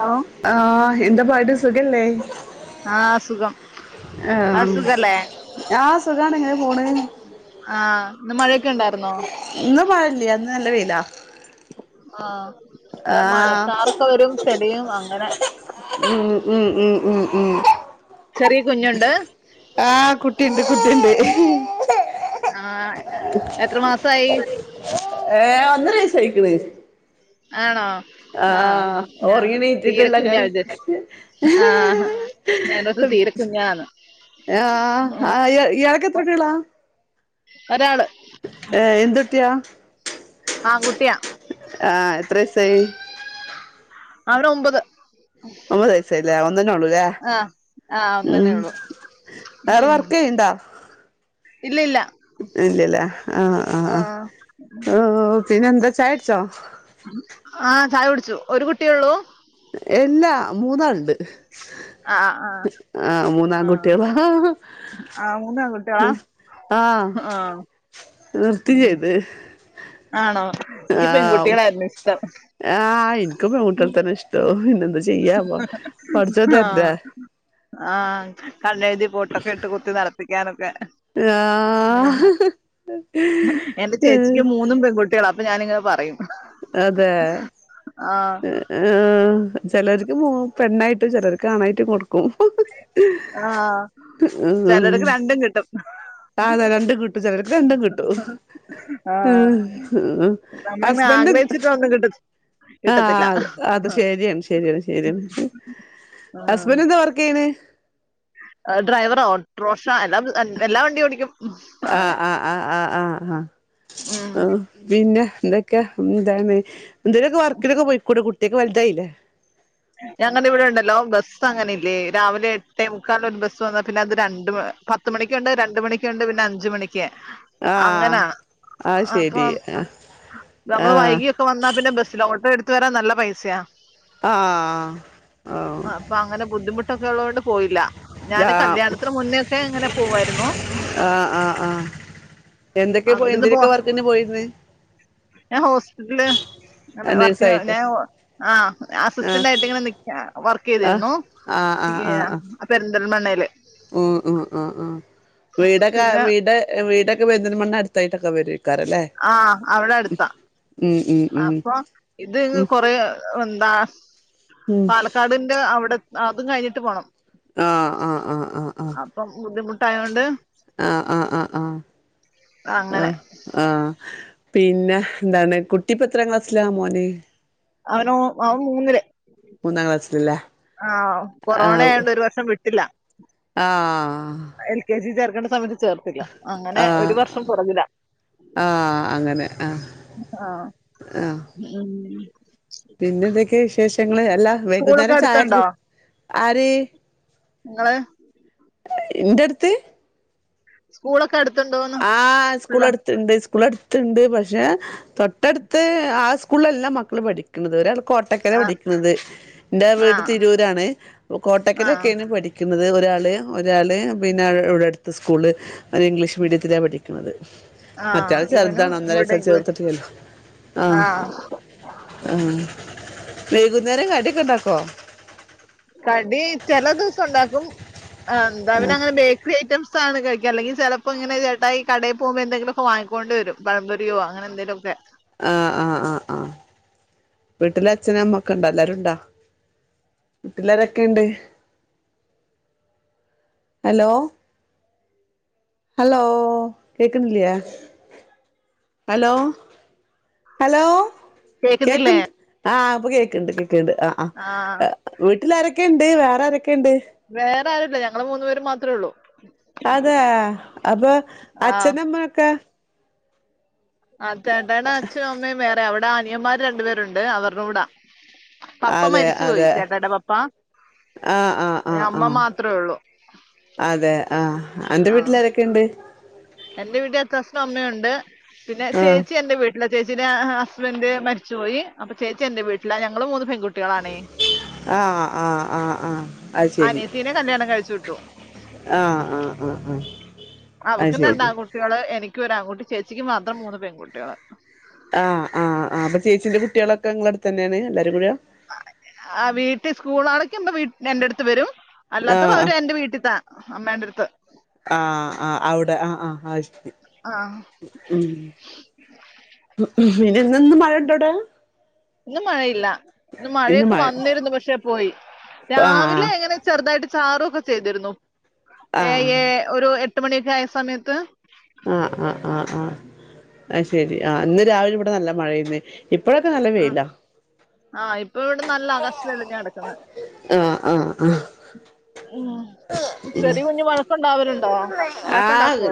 Hello ആഹ് എന്താ പാടിസ് സുഖല്ലെ ആഹ് സുഖം ആഹ് സുഖല്ലേ ആഹ് സുഖാണ് ങ്ങ പോണ് ആഹ് ഇന്ന് മഴയൊക്കെ ഉണ്ടായിരുന്നോ ഇന്ന് മഴല്ല ഇന്ന് നല്ല വെയിലാ ആഹ് ഇവിടെ ആഹ് മഴക്കാറൊക്കെ വരും ചെടിയും അങ്ങനെ ഉം ഉം ഉം ഉം ഉം ചെറിയ കുഞ്ഞുണ്ട് ആഹ് കുട്ടിണ്ട് കുട്ടിണ്ട് ആഹ് എത്ര മാസായി ഏഹ് ഒന്നര വയസായിക്കണ് ആണോ ആഹ് ഞാൻ ഉറങ്ങി തീരെ എണീറ്റിട്ടുള്ള കുഞ്ഞാ ഇത് ആഹ് ഞാനോർത്തു തീരെ കുഞ്ഞാന്ന് ഉം ആ ഇയ്യാൾക്ക് എത്ര കുട്ടികളാ ഒരാള് ഏ എന്ത് കുട്ടിയാ ആൺകുട്ടിയാ ആ എത്ര വയസായി അവന് ഒമ്പത് ഒമ്പത് വയസായാല്ലേ അവൻ തന്നെ ഉള്ളൂല്ലേ ആഹ് ആഹ് അവൻ തന്നെ ഉം ഉള്ളു വേറെ ഉം വർക്ക് ചെയ്യുന്നുണ്ടോ ഇല്ല ഇല്ല ഇല്ലല്ല ആ ആ ആഹ് ആ പിന്നെ എന്ത് ചായുട് ച്ചോ ആ ചായ കുടിച്ചു ഒരു കുട്ടിയേള്ളൂ എല്ലാ മൂന്നാള്ണ്ട് ആഹ് ആഹ് ആ ആഹ് മൂന്നാൺകുട്ടിയളാ ആഹ് മൂന്ന് ആൺകുട്ടികളാ ആ ആഹ് നിർത്തിം ചെയ്ത് ഇനിക്ക് പെൺകുട്ടിളായിരുന്നു ആ ഇനിക്കും പെൺകുട്ടിളെ തന്നെ ഇഷ്ടോ എന്ത് ചെയ്യാപ്പൊ പടച്ചോൻ തര്ണ്ടേ ആ കണ്ണെഴുതി പൊട്ടൊക്കെ ഇട്ട് കുത്തി നടപ്പിക്കാനൊക്കെ ങേ ഹെ ആഹ് എന്റെ ചേച്ചിക്ക് മൂന്നും പെൺകുട്ടികളാ അപ്പ ഞാനിങ്ങനെ പറയും അതെ ആഹ് ആ ചെലര് യുവു പെണ്ണായിട്ടും ചെലർക്ക് ആണായിട്ടും കൊടുക്കും ആഹ് ഉം ചിലർക്ക് രണ്ടും കിട്ടും ആ അതാ രണ്ടും കിട്ടും ചിലർക്ക് രണ്ടും കിട്ടും ആഹ് നമ്മളിങ്ങനെ ഹസ്ബൻഡന്റ് ആഗ്രഹിച്ചിട്ട് ഒന്നും കിട്ട ആ കിട്ടത്തില്ല അ അത് ശരിയാണ് ശരിയാണ് ശരിയാണ് ഹസ്ബൻഡ എന്താ വർക്ക് ചെയണ്? ഡ്രൈവറ ഓട്ട്രോഷ എല്ലാം എല്ലാ വണ്ടിയോടിക്കും. ആഹ് ആ ആ ആഹ് ആഹ് ആഹ് ഉം ആഹ് പിന്നെ? എന്തൊക്ക ഇന്നിതാണ് എന്തെലൊക്കെ വർക്കിനൊക്കെ പോയികൂടെ കു ട്ട്യക്ക വൽതായില്ലേ? ഞങ്ങടെ ഇവിടെ ഉണ്ടല്ലോ ബസ് അങ്ങനെ ഇല്ലേ രാവിലെ എട്ടേ മുക്കാല ഒരു ബസ് വന്ന പിന്നെ അത് രണ്ട് പത്ത് മണിക്കുണ്ട് രണ്ട മണിക്കുണ്ട് പിന്നെ അഞ്ചു മണി ആ അങ്ങനാ അത് ശരി അപ്പം ആ നമ്മൾ ആ വൈകിയൊക്കെ വന്നാ പിന്നെ ബസിൽ ഓട്ടോ എടു ത്തുവരാൻ നല്ല പൈസയാ. ആഹ് ആ അപ്പൊ അങ്ങനെ ബുദ്ധിമുട്ടൊ ക്കെ ഒള്ളുകൊണ്ട് പോയില്ല. ഞാന് ആ കല്യാണത്തിന് മുന്നേക്കെ ഇങ്ങനെ പോവായിരുന്നു ആഹ് ആഹ് ആ എന്തൊക്കെ അവിടുന്ന് പോ എന്തിനൊക്കെ വർക്കിന് പോയിന്ന്? ഞാൻ ഹോസ് െ [unintelligible] വർക്ക് ഞാൻ നേഴ്സായിട്ട് ആ ആ [unintelligible] [unintelligible] ആ വർക്കയ്തിരുന്ന് അപ്പൊ ന്തൽമണ്ണയില് അ ആ ആ വീടക്ക പിന്നെ വീട് വീടൊക്ക പെരിന്തൽമണ്ണ അടുത്തായിട്ടൊക്കെ വരോ ആഹ അവിടെ അടുത്താ ഉം ഉം ഉം അപ്പൊ ഇത് ഉം കൊറ എന്താ ഉം പാലക്കാടിന്റെ അവിടെ അതും കഴിഞ്ഞട്ട് പോകണം ആഹ് ആഹ് ആഹ് ആഹ് അപ്പം [unintelligible] തയോണ്ട് അങ്ങനെ ആഹ ആഹ പിന്നെ എന്താണ് കുട്ടി പ്പം എത്ര ക്ലാസ്സിലാ മോന് അവന അവൻ മൂന്നില് മൂന്നാം ക്ലാസ്സിലല്ലേ ആ കൊറോണ ആയണ്ട് ഒരു വർഷം വിട്ടില്ല ആഹ സമയത ആഹ ആഹ അങ്ങനെ ആഹ ആഹ ഉ പിന്നെ ന്തൊക്കെ വിശേഷ ങ്ങള് അല്ലാ വൈകുന്നേരം ചായ ആര് ഇങ്ങള് ഇന്റെടുത്ത് സ്കൂളൊക്കെ അടുത്തുണ്ടോന്ന് ആഹ് സ്കൂൾ പിള്ള അട്ത്ത്ണ്ട് സ്കൂൾ അട്ത്തുണ്ട് പഷേ തൊട്ടടുത്ത് ആ സ്കൂളെല്ല മക്കൾ പഠിക്കുന്നത് ഒരാൾ കോട്ടക്കല ആ പഠിക്കുന്നത് എന്റെ ആ വീട് തിരൂരാണ് ആ കോട്ടക്കല ഒക്കെയാണ് പഠിക്കുന്നത് ഒരാള് ഒരാള് പിന്നെ ബടെ അടുത്ത സ്കൂള് മീഡിയത്തില പഠിക്കുന്നത് ആ മറ്റാള് ഇവനും ചെറുതാണ് ഒന്നര ഇവിടെ വയസ്സാ ഇംഗ്ലീഷ് ചേർത്തിട്ടില്ലല്ലോ ആഹ ആ ആ വൈകുന്നേരം കടിയൊക്കെ ഉണ്ടാക്കോ കടി ചെല ദിവസം ഉണ്ടാക്കും ആ എന്താ ആഹ് അവന അങ്ങനെ ബേക്കറി ഐറ്റംസ് [unintelligible] ചെലപ്പോ ഇങ്ങനെ ചേട്ടായി ഈ കടേ പോകുമ്പോ എന്തെങ്കിലും വാങ്ങിക്കൊണ്ട് വരും പഴം പൊരിയോ അങ്ങനെ എന്തെലുമൊക്കെ ആഹ ആഹ് ആഹ് ആഹ വീട്ടിലെ അച്ഛനും അമ്മക്കെ ഉണ്ടോ എല്ലരും ണ്ടാ വീട്ടിലാരൊക്കെ ഇണ്ട് അലോ ഹലോ കേക്കുന്നില്ലേ ഹലോ ഹലോ കേക്ക്‌ കേക്കുന്നില്ലേ ആഹ് ഇപ്പൊ കേൾക്കുന്നുണ്ട് ണ്ട് ആ ആ ആഹ് വീട്ടിൽ ആരൊക്ക ഉണ്ട് അ വേറെ [unintelligible] [unintelligible] ആരുമില്ല ഞങ്ങള് മൂന്ന് പേര് മാത്രേ ഉള്ളൂ അതെ അപ്പൊ ആഹ് അച്ഛനമ്മൊക്കെ- അതേ അതാണ് അച്ഛും അമ്മയും വേറെ അവിടെ- ആ ആനിയന്മാര് രണ്ടു പേരുണ്ട് അവരുടെ കൂടാ പപ്പ അതെ മരിച്ചു പോയി അതെ ചേട്ടായിടെ പപ്പ ആ ആഹ് ആ ആ അമ്മ മാത്രേ ഉള്ളൂ അതെ ആ നിന്റെ ആഹ് വീട്ടിലരൊക്കെയുണ്ട് എന്റെ വീട്ടിൽ അച്ചാച്ചനും അമ്മയുണ്ട് പിന്നെ ആഹ് ചേച്ചി എന്റെ വീട്ട- ഇല്ല ചേച്ചിന്റെ ഹസ്ബന്റ് മരിച്ചു പോയി അപ്പൊ ചേച്ചി എന്റെ വീട്ടില ഞങ്ങള് മൂന്ന്- പെൺകുട്ടികളാണേ ആ ആഹ് ആഹ് ആഹ് അത് ശരി അനിയത്തീനെ കല്യാണം [inaudible] ആഹ് ആഹ് ആഹ് ആഹ് [unintelligible] അവക്കും രണ്ട് ആൺകുട്ടികള് എനിക് ക്ക് ഒരു ആൺകുട്ടി ചേച്ചിക്ക് മാത്രം മൂന്ന് പെൺകുട്ടികള് ആഹ് ആഹ് അപ്പൊ ചേച്ചിന്റെ കുട്ടികളൊക്കെ ഇങ്ങടുത്തന്നെയാണ് എല്ലാരും കൂടിയാ ആ വീട്ടി സ്കൂൾ അടയ്ക്കുമ്പോ എൻറടുത്ത് വെരും അല്ലാത്തത് അവര് ആഹ് എന്റെ വീട്ടിത്താ അമ്മേൻ്റെ അടു ത്ത് ആഹ് ആഹ് അവിടെ ആഹ് ആഹ് അത് ശെ ആ ഉം ഇഞ്ഞി ഇന്ന് മഴ [unintelligible] ഇന്ന് മഴയില്ല ഇന്ന് മഴയൊക്കെ വന്നിരുന്നു, പക്ഷെ പോയി, രാവിലെ ആഹ് ഇങ്ങനെ ചെറുതായിട്ട് ചാറും ഒക്കെ ചെയ്തിരുന്നു. ഏ ആഹ് ഒരു എ എട്ട് മണിയൊക്കെ ആയ സമയത്ത് ആ ശെരി ആ ഇന്ന് രാവിലെ ഇവടെ നല്ല മഴയേന്ന് ഇപ്പഴൊക്കെ നല്ല ആ, വെയിലാ. ആ ഇപ്പൊ ഇവിടെ നല്ല ആകാശം തെളിഞ്ഞാ കെടക്കുന്നെ. ആഹ് ആഹ് ആഹ് ഉം ചെറിയ കുഞ്ഞ് വഴക്കുണ്ടാവലു ആഹ്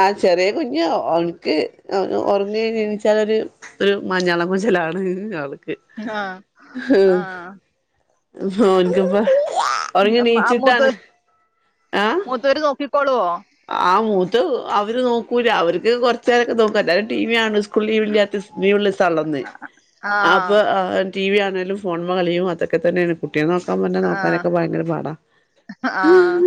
ആഹ് ചെറിയ കുഞ്ഞ് ഓൻക്ക് [unintelligible] ഒർങ്ങി എണീച്ചാലൊരു ഒരു മഞ്ഞള മുജലാണ് ആൾക്ക് ആഹ് ആഹ് ഓൻക്കിപ്പൊ ഉറങ്ങി ഉം, ആ നീച്ചിട്ടാണ് മൂത്ത് ആഹ് മൂത്തവര് നോക്കിക്കോളുവോ ആഹ് മൂത്ത് അവര് നോക്കൂല അവർക്ക് കൊറച്ചേരൊക്കെ നോക്കും എല്ലാരും ടി വി ആണ് ഉസ് കൂൾ ലീവില്ലാത്ത സ ലീവ്ള്ളോസ്സാണല്ലോ ഇന്ന് ആ അപ്പൊ [unintelligible] ടി വി കാണലും ഫോൺമ്മ കളിയും അതൊക്കെ തന്നെയാണ് കുട് കുട്ടിയ നോക്കാൻ പറഞ്ഞ നോക്കാനൊക്കെ ആഹ് ഭയങ്കര പാടാ ആഹ്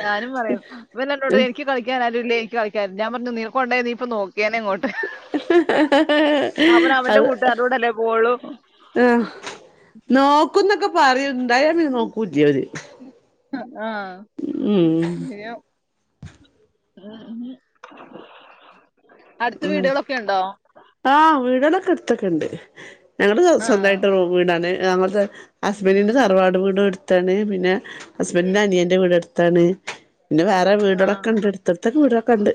ഞാനും പറയും [unintelligible] എനിക്ക് കളിക്കാൻ ആരുല്ലേ [unintelligible] ഞാൻ പറഞ്ഞു നീക്കൊണ്ടോയാ നീപ്പൊ നോ അവൻ അവന്റെ അത് കൂട്ടുകാരോടല്ലേ പോളൂ ആഹ് നോക്കുന്നൊക്കെ പറയൺ [unintelligible] നോക്കൂല്ല്യ അവര് ആഹ് [unintelligible] [unintelligible] അടുത്ത് ഉം വീടുകളൊക്കെ ഉണ്ടോ ആ വീട്കളൊക്കെ ക്കെട്ത്തൊക്കെണ്ട് ഞങ്ങട് ആഹ് സ്വന്തായിട്ട് റൂമ് വീടാണെ നമ്മക്ക് ഹസ്ബന്റിന്റെ തറവാട് വീടും അട്ത്താണ് പിന്നെ ഹസ്ബന്റിന്റെ അനിയന്റെ വീടും എട്ത്താണ് പിന്നെ വേറെ ആഹ് വീടൊളൊക്കെണ്ട് എട്ത്തെട്ത്തൊക്ക വീടെളൊക്കെണ്ട്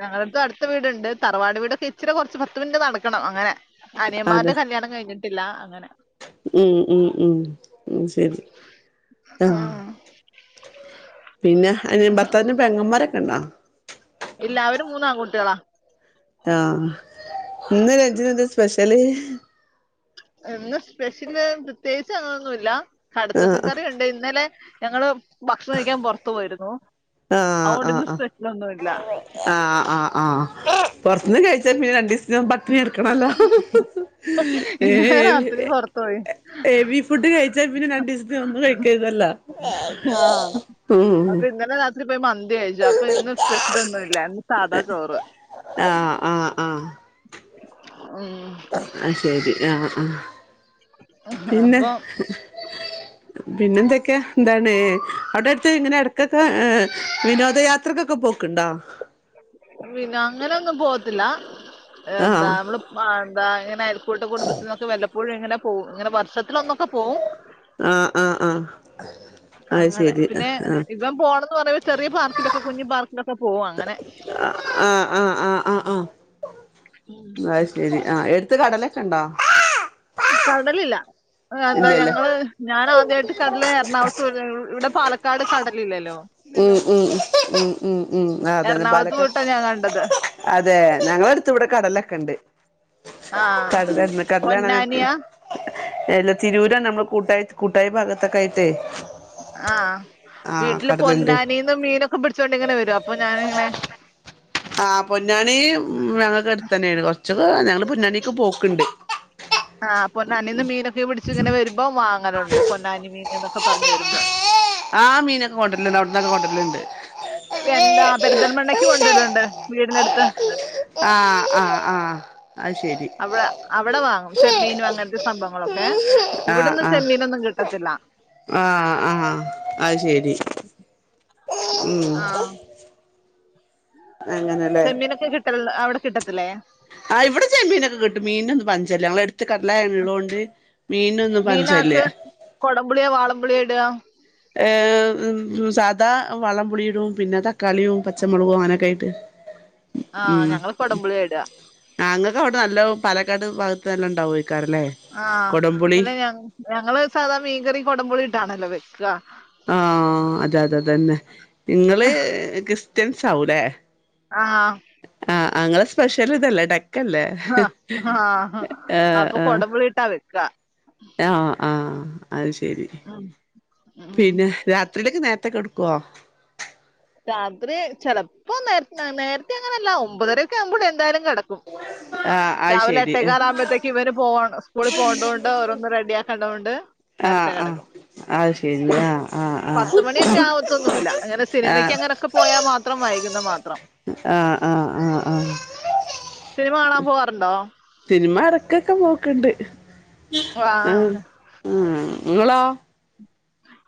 ഞങ്ങൾത് അട്ത്ത് വീട്ണ്ട് ത റവാട് വീടൊക്കെ ഇച്ചെരെ കൊർച്ച് പത്ത് മിനിറ്റ് നട്ക്ക്ണം അങ്ങനെ അതെ അനിയമ്മാരുടെ കല്യാണം കയ്ഞ്ഞ് ട്ട്ല്ല അങ്ങനെ ഉം ഉം ഉം ഉം ശെരി താ ആഹ് പിന്നെ ഏ ഭർത്താവിന്റെ പെങ്ങന്മാരെ ക്കണ്ടാ ഇല്ല അവര് മൂന്നാങ്കുട്ട്യാളാ ആ ഇന്ന് ലഞ്ചിനെന്താ സ്പെഷല് ഇന്ന് സ്പെഷ്യല് പ്രത്യേകിച്ച് അങ്ങനൊന്നു ഇല്ല കടച്ചത്തി ആഹ് കറിയുണ്ട് ഇന്നലെ ഞങ്ങള് ഭക്ഷണം കഴിക്കാൻ പൊറത്തു പോയിരുന്നു ആഹ് അതുകൊണ്ട് ആഹ് ഇന്ന് ആഹ് സ്പെഷ്യലൊന്നും ഇല്ല പൊറത്തെന്ന് കഴിച്ചാ പിന്നെ രണ്ടീ സം പട്ടിണി കെടക്കണോല്ലോ ഏ ഇന്നലെ രാത്രി പുറത്തു പോയി ഹെവി ഫുഡ് കഴിച്ചാ പിന്നെ രണ്ടീസത്തിനൊന്നും കഴിക്കരുതല്ലോ ഇതിപ്പോ മ ന്തിയാ കഴിച്ചേ അപ്പൊ ഇന്ന് സ്പെഷ്യലൊന്നും ഇല്ല ഇന്ന് സാധാ ചോറ് ഉം. ആ ശരി ആഹ്. ആഹ്. പിന്നെ അപ്പൊ പിന്നെ എന്തൊക്കെയാ എന്താണ് അവിടെ അടുത്ത് ഇങ്ങനെ എടക്കൊക്കെ ഏ വിനോദയാത്രക്കൊക്കെ പോക്കുണ്ടോ വിനോ അങ്ങനെയൊന്നും പോവത്തില്ല ആഹ് എന്താ നമ്മള് അ അങ്ങനെ കൂട്ട കുടുംബത്തിന്നൊക്കെ വല്ലപ്പോഴുംങ്ങനെ പോവുംങ്ങനെ വഷത്തില് ഒന്നൊക്കെ പോവും. ആഹ് ആഹ് ആഹ് അത് അങ്ങനെ ശരി പിന്നെ ആഹ് ഇപ്പം പോണന്ന് പറയ ചെറിയ പാർക്കൊക്കെ കുഞ്ഞഞ് പാർിലൊക്ക പോകും അങ്ങനെ ആഹ് ആഹ് ആഹ് ആഹ് ആഹ്. ഉം. ആഹ് ശെരി ആഹ് എടുത്ത കടലേ [unintelligible] ണ്ടോ? കർടലില്ല. എന്താ ഞങ്ങള് ഞാൻ ആദ്യായിട്ട് കടൽ എറണാകുളു ഇവിടെ പാലക്കാട് കടലില്ലല്ലോ? ഉം ഇല്ലല്ലോ ഉം ഉം ഉം മ് ഉം അതന്നെ എറണാകുളത്ത് പാലക്ക പോയിട്ടാ ഞാൻ കണ്ടത് അതെ ഞങ്ങള് അട ത്ത് ഇവിടെ കടലൊക്കെണ്ട് ആഹ് കടലാന്ന് കടലാണാ അനക്ക് പൊന്നാനിയാ ല്ല തിരൂര നമ്മുടെ കൂട്ടായ് കൂട്ടായി ഭാഗത്തൊക്കെ ആയിട്ടേ ആഹ് ആഹ് വീട്ടില് കടലുണ്ട് പൊന്നാനീന്ന് മീനൊക്കെ പിടിച്ചൊണ്ട് ഇങ്ങനെരും അപ്പോ ഞാനിങ്ങനെ ആ ആഹ പൊന്നാണി ഞങ്ങൾക്ക് എടുത്ത് തന്നെയാണ് കൊറച്ചും അ ഞങ്ങള്ൾ പൊുന്നാനിക്ക പോക്കണ്ട് ആ പൊന്നാനിന്ന് മീനൊക്കെ പിടിച്ചച്ച് ഇങ്ങനെ വരുമ്പോ വാങ്ങാനണ്ട് പൊന്നാനി മീൻൊക്കെ പറഞ്ഞു വരുമ്പോ ആഹ് മീനൊക്കെ കൊണ്ടർ ല്ണ്ട് അവിട്ന്നാട്ട് കൊണ്ടർ ല്ണ്ട് എന്താ പെരുതൽ മണ്ണക്ക് കൊണ്ട രൽ വീടിനടുത്ത് ആഹ ആഹ് ആഹ ആ ശരി അവിടെ ഏ ആഹ ആഹ ആഹ ആഹ് അത് ശരി ഉം ആഹ് അങ്ങനെല്ലേ ചെമ്മീനൊക്കെ കിട്ടല് അവിടെ കിട്ടത്തില്ലേ ആഹ ഇവിടെ്യാൻീൊക്കെ കിട്ട മീന ഒന്ന പഞ്ചല്ല ഞങ്ങൾ ട് [unintelligible] മീനൊന്നും പഞ്ചല്ല പുളി യാ ഇടാ ഏ സാധാ വളം പുളിയിടും പിന്നെത കളിയും പച്ചമുളകും അങ്ങനൊക്കെ [unintelligible] ആഹ ഞങ്ങള് കൊടുമ്പുളിട നല്ലോ പാലക്കാട് ഭാഗത്ത്നല്ല ണ്ടാവുയ് ആഹ പിന്നെ ഞാ ഞങ്ങള് സാധാ മീൻകറി കോടംപുളി ഇട്ടാണല്ലോ വെ കാ ആ അതെ അതെതന്നെ നിങ്ങള്കിഷ് ത്തിൻസാവുലെ ആ ആ ആ ങ്ങളെ സ്പെഷ്യൽ ഇതല്ലേ ഡക് ആ ആ അപ്പൊ കൊടമ്പുളിട്ടാവ ക ആ ആ അത്ഥ രി ഉം ഉം പിന്നെ രാത്രിയിലേക്ക് നേരത്തെകെടുക്കോ ഗഹ രാത്രി ചെലപ്പോ നേ നേരത്തെ അങ്ങനെയല്ല ഒമ്പതരൊക്കെ ആവുമ്പോ എന്തായാലും ടക്കും ആഹ് അത് രാവിലെ ശരി എട്ടേക്കാൽ ആകുമ്പോഴത്തേക്ക് ഇവര് പോ സ്കൂളിൽ പോണ്ടോണ്ട് ഓരോന്ന് ഓരോന്നന്ന് റെഡി ആക്കേണ്ടത് കൊണ്ട് ണ്ട് ആ ആ അ ശരി ആ ആ ആ ആ ങ്ങനൊക്കെ പോയാൽ മാത്രം വൈകും മാത്രം ആ ആ ആ ആ സിനിമകാണൻ പോവാറുണ്ടോ സിനിമ ഇടക്കൊക്കെ പോ ക്ക് ണ്ട് ആ ആഹ് മം ങ്ങളോ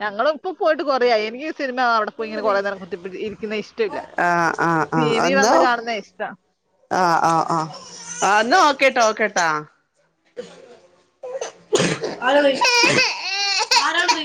ഞങ്ങൾ ഇപ്പൊ പോയിട്ട് കൊറയായി എനിക്ക് സിനിമ അവിടെ പോയി ഇങ്ങനെ കൊറെ നേരം കുത്തിപ്പ ഇരിക്കുന്ന ഇഷ്ടല്ല ആഹ് ആഹ് ടി ആഹ് വി എന്നോ വന്ന് കാണുന്ന ഇഷ്ടം ആ ന്ന ഓക്കേട്ടാ ഓക്കേട്ടാ